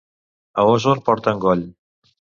A Osor porten goll.